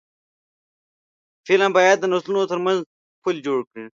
فلم باید د نسلونو ترمنځ پل جوړ کړي